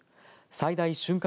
最大瞬間